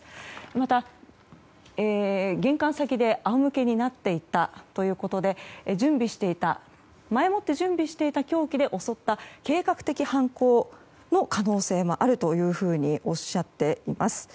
また、玄関先で仰向けになっていたということで前もって準備していた凶器で襲った計画的犯行の可能性もあるというふうにおっしゃっています。